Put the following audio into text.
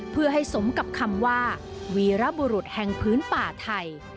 เพื่อให้สมกับคำว่าวีรบุรุษแห่งพื้นป่าไทย